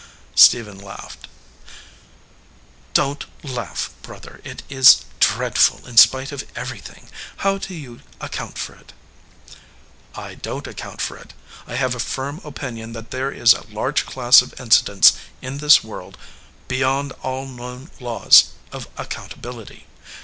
Stephen laughed. "Don t laugh, brother. It is dreadful, in spite of everything. How do you account for it ?" "I don t account for it. I have a firm opinion that there is a large class of incidents in this world beyond all known laws of accountability.